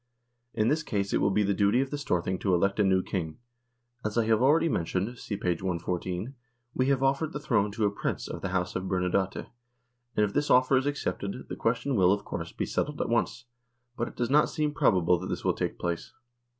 In this case it will be the duty of the Storthing to elect a new King. As I have already mentioned (see p. 114) we have offered the throne to a Prince of the House of Bernadotte, and if this offer is accepted, the question will, of course, be settled at once, but it does not seem probable that this will take place.